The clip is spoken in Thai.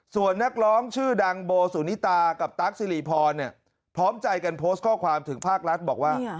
ส่วนนักร้องชื่อดังโบสุนิตากับตั๊กสิริพรพร้อมใจกันโพสต์ข้อความถึงภาครัฐบอกว่า